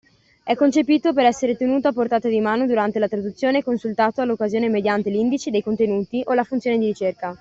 È concepito per essere tenuto a portata di mano durante la traduzione e consultato all’occasione mediante l’Indice dei contenuti o la funzione di ricerca.